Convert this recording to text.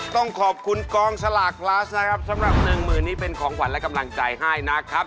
ต้องขอบคุณกองสลากพลัสนะครับสำหรับหนึ่งหมื่นนี้เป็นของขวัญและกำลังใจให้นะครับ